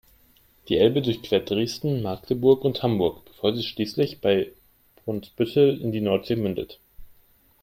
Die Elbe durchquert Dresden, Magdeburg und Hamburg, bevor sie schließlich bei Brunsbüttel in die Nordsee mündet.